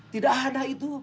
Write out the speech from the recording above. tidak ada itu